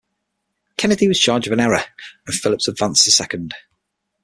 Kennedy was charged with an error, and Phillips advanced to second.